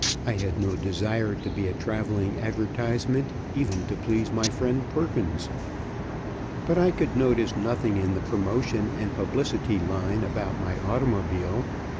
I had no desire to be a travelling advertisement even to please my friend Perkins. But I could notice nothing in the promotion and publicity line about my automobile.